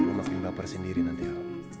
lo makin lapar sendiri nanti al